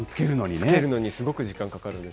つけるのに、すごく時間かかるんです。